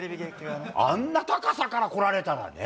あんな高さから来られたらね。